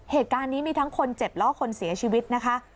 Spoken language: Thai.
เหตุการณ์นี้มีทั้งคนเจ็บแล้วก็คนเสียชีวิตนะคะ